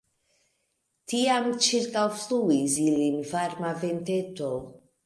Tiam ĉirkaŭfluis ilin varma venteto.